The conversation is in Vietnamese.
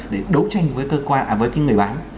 để đấu tranh với người bán